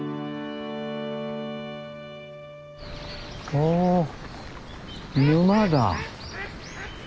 おお沼だ。